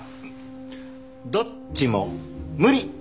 どっちも無理。